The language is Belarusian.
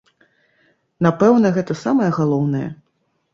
Напэўна, гэта самае галоўнае.